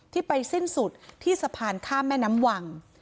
ที่ไปสิ้นสุดที่สะพานข้ามแม่น้ำวัง